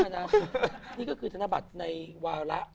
นี่ก็คือธนบัตรในวาระ